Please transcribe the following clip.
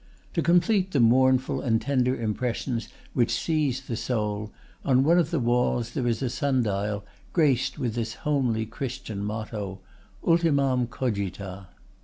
To complete the mournful and tender impressions which seize the soul, on one of the walls there is a sundial graced with this homely Christian motto, 'Ultimam cogita.